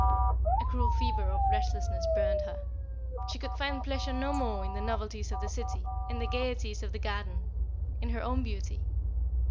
A cruel fever of restlessness burned her. She could find pleasure no more in the novelties of the city, in the gayeties of the gardens, in her own beauty.